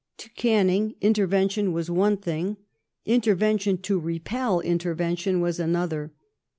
To Canning intervention was one thing ; intervention to repel intervention was another.'